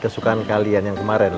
kesukaan kalian yang kemarin